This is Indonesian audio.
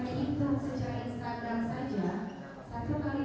keuntungan mereka banyak sekali